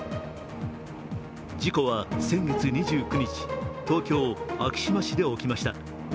事故は先月２９日、東京・昭島市で起きました。